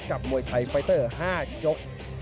มวยไทยไฟเตอร์๕ยก